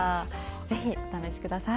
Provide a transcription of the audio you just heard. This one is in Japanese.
ぜひお試しください。